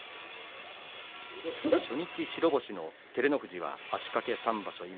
初日白星の照ノ富士は足かけ３場所